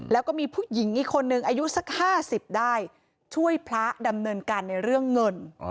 แล้วก็มีผู้หญิงอีกคนนึงอายุสัก๕๐ได้ช่วยพระดำเนินการในเรื่องเงิน